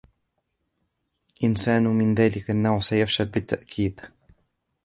إنسان من ذلك النوع سيفشل بالتأكيد.